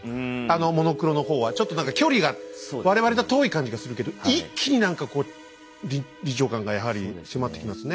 モノクロの方はちょっと何か距離が我々と遠い感じがするけど一気に何か臨場感がやはり迫ってきますね